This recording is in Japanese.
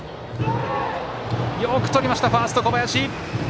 よくとりましたファースト、小林！